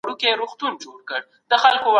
څېړنه او کره کتنه سره نږدې اړيکې لري.